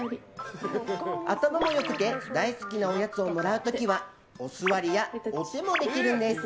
頭も良くて大好きなおやつをもらう時はお座りやお手もできるんです。